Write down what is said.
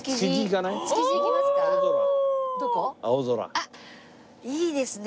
あっいいですね！